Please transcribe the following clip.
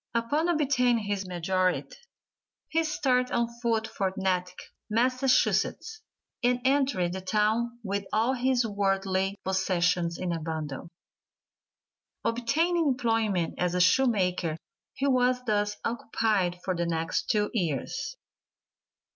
Upon obtaining his majority he started on foot for Natick, Massachusetts, and entered the town with all his worldly possessions in a bundle. Obtaining employment as a shoemaker he was thus occupied for the next two years.